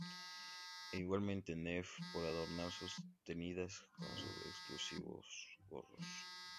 E igualmente Neff por adornar sus tenidas con sus exclusivos gorros.